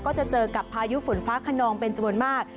ก็จะเจอกับพายุฝนฟ้าขนองเป็นจำนวนมาก